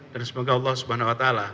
dan semoga allah swt